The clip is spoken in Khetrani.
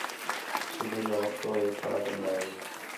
صُبیح آ وختوں ہے کھڑا کن٘دا ہا